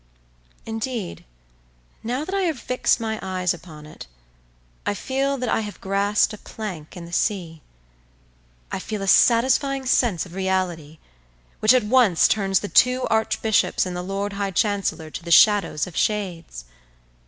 Indeed, now that I have fixed my eyes upon it, I feel that I have grasped a plank in the sea; I feel a satisfying sense of reality which at once turns the two Archbishops and the Lord High Chancellor to the shadows of shades.